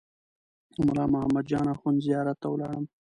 د ملا محمد جان اخوند زیارت ته ولاړم.